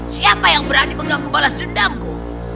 siapa yang berani mengganggu balas dendamku